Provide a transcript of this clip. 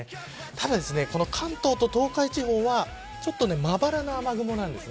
ただですね、関東と東海地方はちょっとまばらな雨雲なんです。